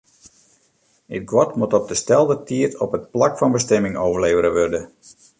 It guod moat op 'e stelde tiid op it plak fan bestimming ôflevere wurde.